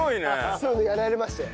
そういうのやられましたよ。